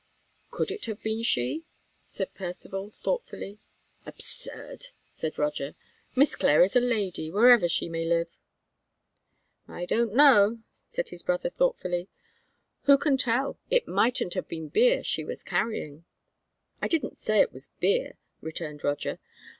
"Could it have been she?" said Percivale thoughtfully. "Absurd!" said Roger. "Miss Clare is a lady, wherever she may live." "I don't know," said his brother thoughtfully; "who can tell? It mightn't have been beer she was carrying." "I didn't say it was beer," returned Roger.